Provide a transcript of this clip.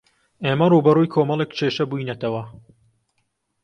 ئێمە ڕووبەڕووی کۆمەڵێک کێشە بووینەتەوە.